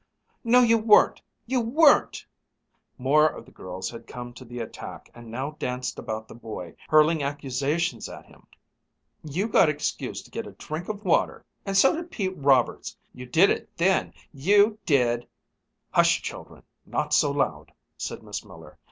"No, you weren't you weren't!" More of the girls had come to the attack, and now danced about the boy, hurling accusations at him. "You got excused to get a drink of water! And so did Pete Roberts! You did it then! You did it then! You did " "Hush, children! Not so loud!" said Miss Miller.